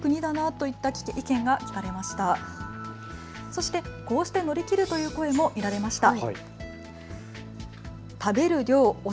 そして、こうして乗り切るという声も見られました。